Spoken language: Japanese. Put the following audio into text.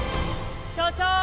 所長！